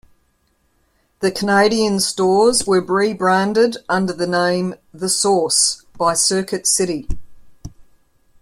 The Canadian stores were rebranded under the name The Source by Circuit City.